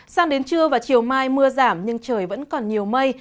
sang đến trưa và chiều mai mưa giảm nhưng trời vẫn còn nhiều mây